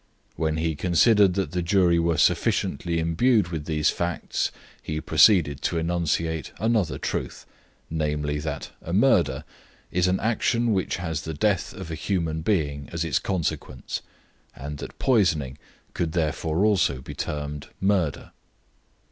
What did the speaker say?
When he considered that the jury were sufficiently imbued with these facts, he proceeded to enunciate another truth namely, that a murder is an action which has the death of a human being as its consequence, and that poisoning could therefore also be termed murder.